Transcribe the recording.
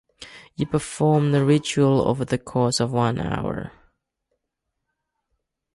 You perform the ritual over the course of one hour.